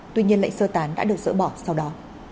tuy nhiên lệnh sơ tán đã được dỡ bỏ sau đó